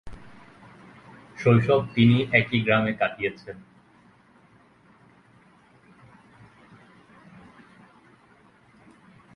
শৈশব তিনি একই গ্রামে কাটিয়েছেন।